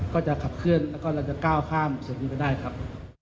ก็จะขับเคลื่อนแล้วก็เราจะก้าวข้ามส่วนนี้ไปได้ครับ